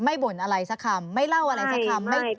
บ่นอะไรสักคำไม่เล่าอะไรสักคำ